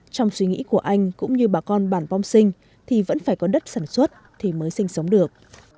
trong suy nghĩ của anh cũng như bà con bản pom sinh thì vẫn phải có đất sản xuất thì mới sinh sống được